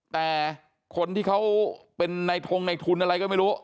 แต่คนที่เขาเป็นในทงในทุนอะไรก็ไม่รู้